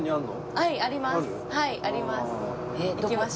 はいあります！